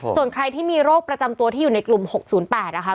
ส่วนใครที่มีโรคประจำตัวที่อยู่ในกลุ่ม๖๐๘นะคะ